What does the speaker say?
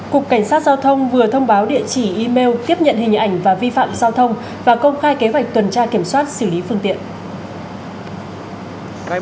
cục cảnh sát giao thông vừa thông báo địa chỉ email